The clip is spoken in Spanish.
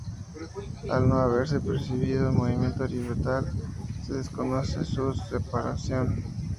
Al no haberse percibido movimiento orbital, se desconoce su separación.